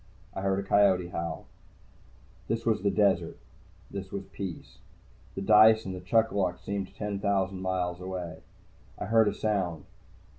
I heard a coyote howl. This was desert. This was peace. The dice and chuck a luck seemed ten thousand miles away. I heard a sound.